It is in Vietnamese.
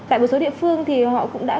tại một số địa phương thì họ cũng đã